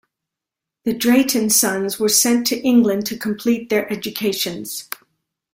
The Drayton sons were sent to England to complete their educations.